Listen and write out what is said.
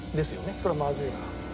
それはまずいな。